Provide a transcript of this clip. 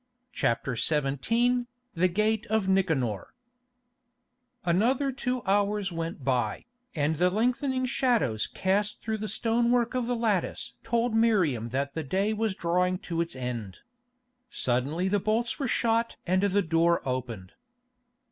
CHAPTER XVII THE GATE OF NICANOR Another two hours went by, and the lengthening shadows cast through the stonework of the lattice told Miriam that the day was drawing to its end. Suddenly the bolts were shot and the door opened.